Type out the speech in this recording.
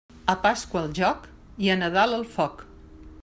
A Pasqua el joc i a Nadal el foc.